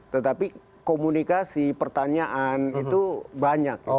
tetapi komunikasi pertanyaan itu banyak